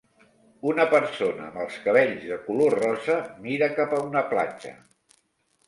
Una persona amb els cabells de color rosa mira cap a una platja.